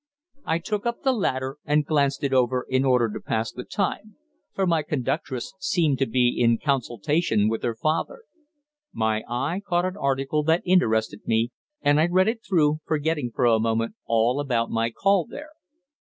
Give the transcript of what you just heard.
I took up the latter and glanced it over in order to pass the time, for my conductress seemed to be in consultation with her father. My eye caught an article that interested me, and I read it through, forgetting for a moment all about my call there.